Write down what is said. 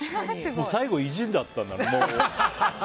最後、意地だったんだろうね。